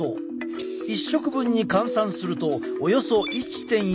１食分に換算するとおよそ１．４ｇ。